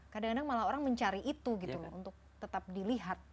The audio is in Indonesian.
kadang kadang malah orang mencari itu gitu loh untuk tetap dilihat